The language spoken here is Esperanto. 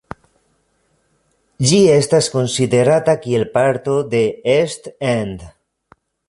Ĝi estas konsiderata kiel parto de East End.